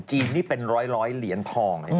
จีนนี่เป็นร้อยเหรียญทอง